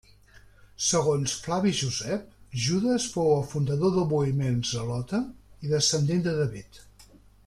Segons Flavi Josep, Judes fou el fundador del moviment zelota i descendent de David.